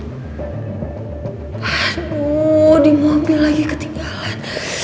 aduh di mobil lagi ketinggalan